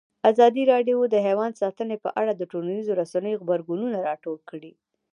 ازادي راډیو د حیوان ساتنه په اړه د ټولنیزو رسنیو غبرګونونه راټول کړي.